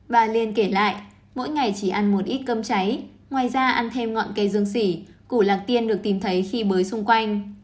và liên kể lại mỗi ngày chỉ ăn một ít cơm cháy ngoài ra ăn thêm ngọn cây dương sỉ củ lạc tiên được tìm thấy khi mới xung quanh